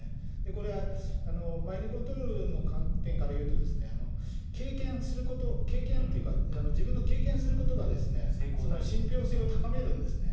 これはマインドコントロールの観点からいうと、経験すること、経験というか、自分の経験することが信ぴょう性を高めるんですね。